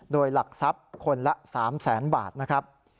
โดยหลักทรัพย์คนละ๓แสนบาทนะครับ